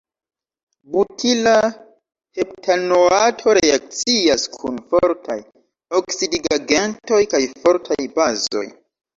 Butila heptanoato reakcias kun fortaj oksidigagentoj kaj fortaj bazoj.